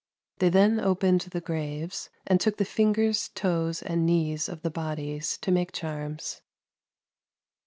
They then opened the graves and took the fingers, toes, and knees of the bodies to make charms.